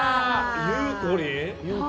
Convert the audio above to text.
ゆうこりん？